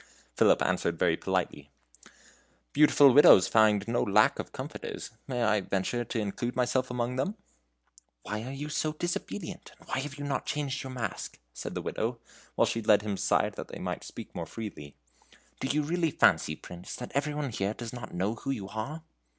Philip answered very politely: "Beautiful widows find no lack of comforters. May I venture to include myself amongst them?" "Why are you so disobedient? and why have you not changed your mask?" said the Widow, while she led him aside that they might speak more freely. "Do you really fancy, Prince, that every one here does not know who you are?"